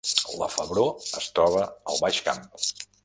La Febró es troba al Baix Camp